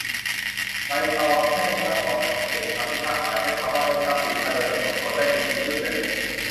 ใบตองแห้ง ตั้งข้อสังเกตคำพิพากษาใช้คำว่า "ได้ทรัพย์สินมาโดยไม่สมควร" ไม่ได้ชี้ทุจริต